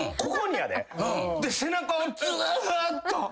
で背中をずーっと。